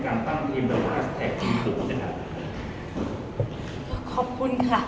ตั้งการเกี่ยวกับพูดสำหรับทุกคน